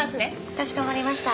かしこまりました。